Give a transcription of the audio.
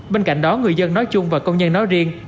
bên cạnh đó người dân nói chung và công nhân nói riêng